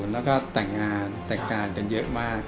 แล้วก็แต่งงานแต่งงานกันเยอะมาก